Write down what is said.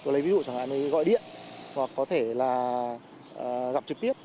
lấy ví dụ chẳng hạn gọi điện hoặc có thể là gặp trực tiếp